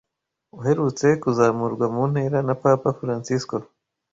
uherutse kuzamurwa mu ntera na Papa Francisco,